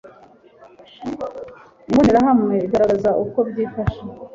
imbonerahamwe igaragaza uko byifashe